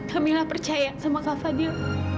kamilah percaya sama kafa dia